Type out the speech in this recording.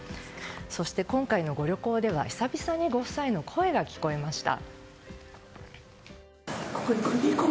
そして今回のご旅行では久々にご夫妻の声が聞こえました。